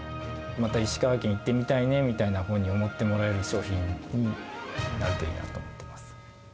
また石川県行ってみたいなふうに思ってもらえる商品になるといいなと思ってます。